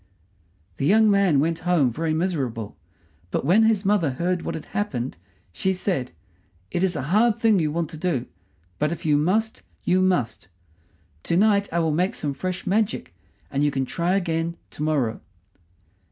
The young man went home very miserable; but when his mother heard what had happened she said: "It is a hard thing you want to do; but if you must, you must. To night I will make some fresh magic, and you can try again to morrow."